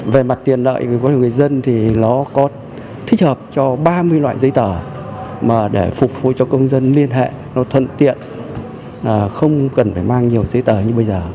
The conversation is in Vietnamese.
về mặt tiền lợi có nhiều người dân thì nó có thích hợp cho ba mươi loại giấy tờ mà để phục vụ cho công dân liên hệ nó thuận tiện không cần phải mang nhiều giấy tờ như bây giờ